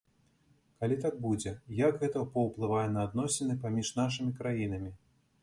Калі так будзе, як гэта паўплывае на адносіны паміж нашымі краінамі?